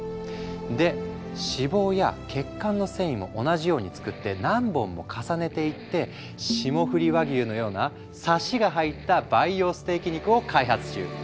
で脂肪や血管の繊維も同じように作って何本も重ねていって霜降り和牛のようなサシが入った培養ステーキ肉を開発中。